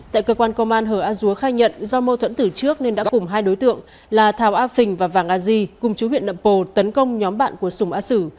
tại cơ quan công an hờ a dúa khai nhận do mâu thuẫn tử trước nên đã cùng hai đối tượng là thảo a phình và vàng a di cùng chú huyện nậm pồ tấn công nhóm bạn của sùng a sử